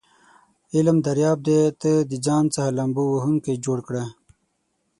علم دریاب دی ته دځان څخه لامبو وهونکی جوړ کړه س